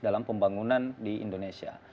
dalam pembangunan di indonesia